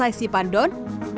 sonek saisi pandon